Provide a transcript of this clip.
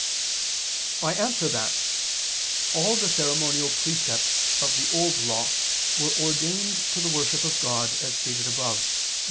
I answer that, All the ceremonial precepts of the Old Law were ordained to the worship of God as stated above (Q.